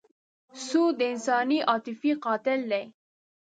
سود د انساني عاطفې قاتل دی.